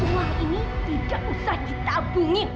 rumah ini tidak usah ditabungin